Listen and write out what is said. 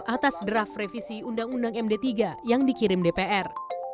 atas draft revisi undang undang md tiga yang dikirim dpr